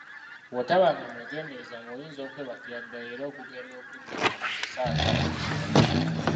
Bw'otabanga mwegendereza ng'oyinza okwebakira ddala era okugenda okudda engulu ng'essaawa zakulese dda.